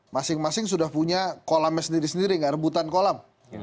masing masing sudah punya kolamnya sendiri sendiri nggak rebutan kolam